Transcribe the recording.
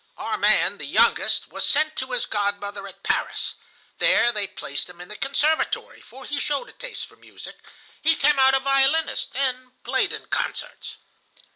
Our man, the youngest, was sent to his godmother at Paris. There they placed him in the Conservatory, for he showed a taste for music. He came out a violinist, and played in concerts."